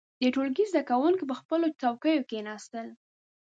• د ټولګي زده کوونکي پر خپلو څوکيو کښېناستل.